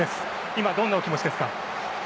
今、どんなお気持ちですか？